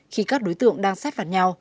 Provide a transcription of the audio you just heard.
khi các đối tượng đang sát phạt nhau